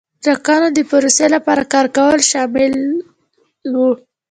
د ټاکنو د پروسې لپاره کار کول شامل وو.